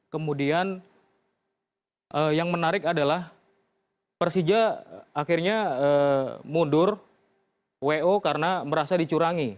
kemudian yang menarik adalah persija akhirnya mundur wo karena merasa dicurangi